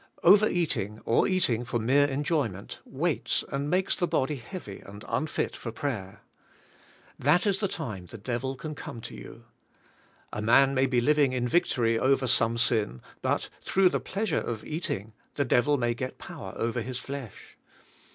Overeating or eating for mere enjoyment, weights and makes the body heavy and unfit for prayer. That is the time the devil can come to you. A man may be living in victory over some sin but through the pleasure of ea.ting the devil may get power over his flesh.